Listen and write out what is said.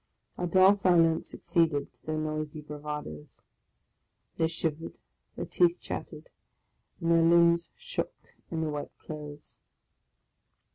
A dull silence succeeded to their noisy bravadoes; they shivered, their teeth chattered, and their limbs, shook in the wet clothes.